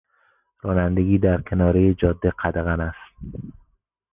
رانندگی در کنارهی جاده قدغن است.